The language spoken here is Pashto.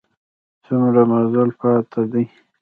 څومره مزل پاته دی؟